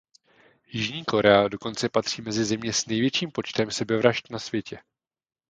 Jižní Korea dokonce patří mezi země s největším počtem sebevražd na světě.